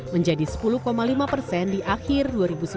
menjadi sepuluh lima persen di akhir dua ribu sembilan belas